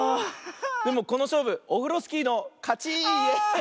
でもこのしょうぶオフロスキーのかち！イエー！